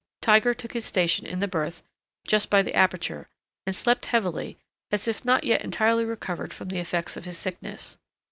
Tiger took his station in the berth just by the aperture, and slept heavily, as if not yet entirely recovered from the effects of his sickness.